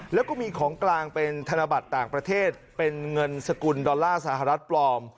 แล้วก็มีของกลางเป็นธนบัตรต่างประเทศเป็นเงินสกุลดอลลาร์สหรัฐปลอม